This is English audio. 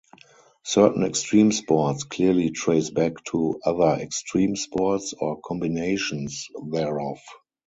Certain extreme sports clearly trace back to other extreme sports, or combinations thereof.